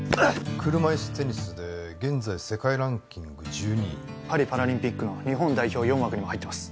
車いすテニスで現在世界ランキング１２位パリパラリンピックの日本代表４枠にも入ってます